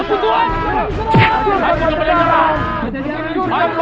surga pada jarak